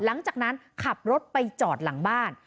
หลังจากนั้นขับรถไปจอดหลังบ้าน